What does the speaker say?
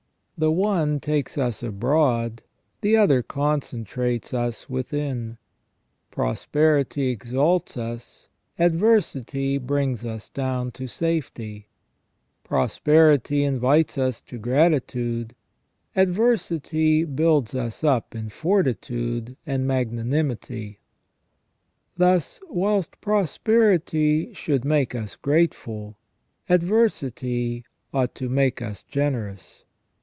The one takes us abroad, the other concentrates us w^ithin ; prosperity exalts us, adversity brings us down to safety ; prosperity invites us to gratitude, adversity builds us up in fortitude and magnanimity ; thus, whilst prosperity should make us grateful, adversity ought to make us generous.